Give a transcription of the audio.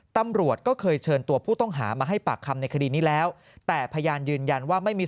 ตำรวจก็เคยเชิญตัวผู้ต้องหามาให้ปากคำในคดีนี้แล้วแต่พยานยืนยันว่าไม่มี